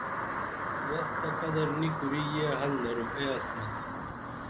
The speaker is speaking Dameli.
وخ تہ قدر نی کُری یہ حل درو اے عصمت